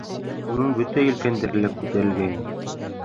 Уның бөтә елкәндәре лә күтәрелгәйне.